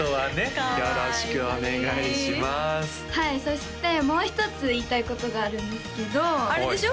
かわいいはいそしてもう一つ言いたいことがあるんですけどあれでしょ？